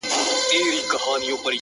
o جانان ارمان د هره یو انسان دی والله؛